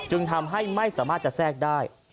จึงทำให้ไม่สามารถจะแทรกได้